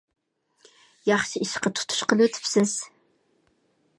ياخشى ئىشقا تۇتۇش قىلىۋېتىپسىز.